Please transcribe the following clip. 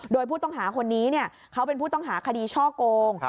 โดยผู้ต้องหาคนนี้เขาเป็นผู้ต้องหาคดีช่อโกง